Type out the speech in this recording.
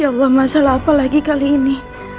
ya allah masalah apa lagi kali ini